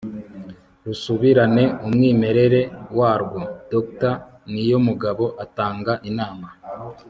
rusubirane umwimerere warwo, dr niyomugabo atanga inama